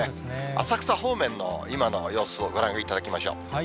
浅草方面の今の様子をご覧いただきましょう。